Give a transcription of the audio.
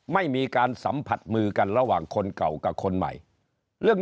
ไม่มีการสัมผัสมือกันระหว่างคนเก่ากับคนใหม่เรื่อง